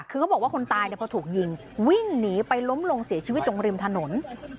คือเขาบอกว่าคนตายพอถูกยิงวิ่งหนีไปล้มลงเสียชีวิตตรงริมถนน